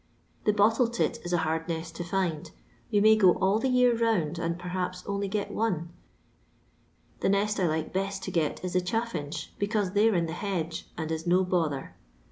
The botUe tit is a hard nest to find ; yon may go all the year round, and, perhaps, only get one. The nest I like best to get is the chaffinch, because they 're in the hedge, and is no bother.